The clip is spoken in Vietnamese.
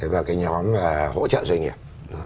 và cái nhóm hỗ trợ doanh nghiệp